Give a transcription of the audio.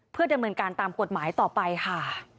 เพื่อดำเนินการตามกฎหมายต่อไปค่ะ